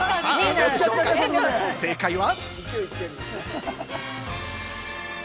正解は？